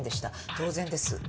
当然です。